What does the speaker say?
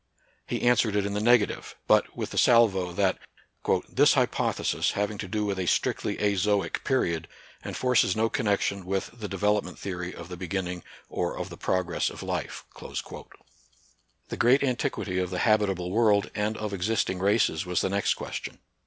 " He answered it in the negative, but with the salvo, that " this hypothesis, having to do with a strictly azoic period, enforces no connection with ' the development theory ' of the beginning or of the progress of life." The great antiquity of the habitable world and of existing races was the next question.